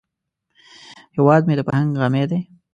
هیواد مې د فرهنګ غمی دی